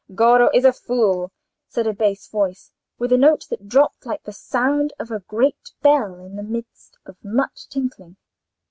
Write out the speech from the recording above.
"Goro is a fool!" said a bass voice, with a note that dropped like the sound of a great bell in the midst of much tinkling.